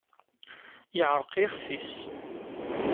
Yeɛreq yixef-is.